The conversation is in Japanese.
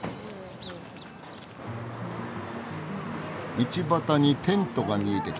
道端にテントが見えてきた。